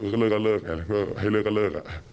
ก็เลิกก็เลิกไงเพื่อให้เลิกก็เลิก